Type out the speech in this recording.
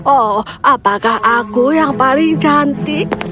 oh apakah aku yang paling cantik